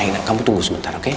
ya enak kamu tunggu sebentar oke